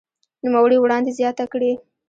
نوموړي وړاندې زياته کړې